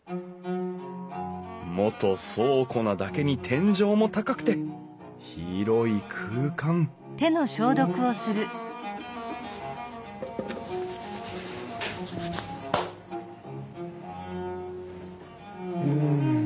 元倉庫なだけに天井も高くて広い空間うん